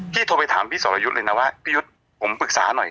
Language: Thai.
โทรไปถามพี่สรยุทธ์เลยนะว่าพี่ยุทธ์ผมปรึกษาหน่อย